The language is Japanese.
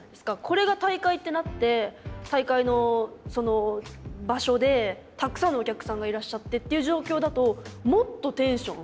これが大会ってなって大会の場所でたくさんのお客さんがいらっしゃってっていう状況だともっとテンション気持ち。